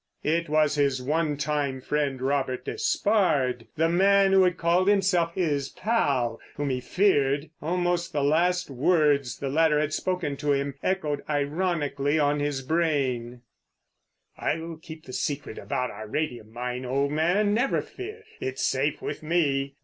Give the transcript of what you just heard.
It was his one time friend, Robert Despard, the man who had called himself his pal, whom he feared. Almost the last words the latter had spoken to him echoed ironically in his brain: "I'll keep the secret about our radium mine, old man, never fear. It's safe with me!"